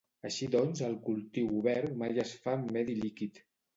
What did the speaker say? Així doncs el cultiu obert mai es fa en medi líquid.